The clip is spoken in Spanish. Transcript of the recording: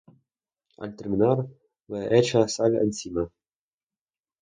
Al terminar, le echa sal encima.